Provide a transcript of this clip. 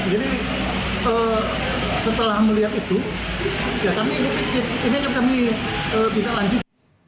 jadi setelah melihat itu ya kami berpikir ini harus kami tidak lanjutkan